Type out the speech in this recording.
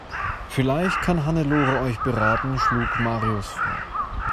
Vielleicht kann Hannelore euch beraten, schlug Marius vor.